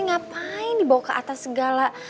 ngapain dibawa ke atas segala